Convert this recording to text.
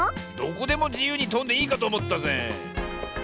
どこでもじゆうにとんでいいかとおもったぜ。